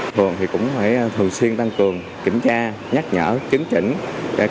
thường thì cũng phải thường xuyên tăng cường kiểm tra nhắc nhở chứng chỉnh các cơ sở hoạt động về đêm này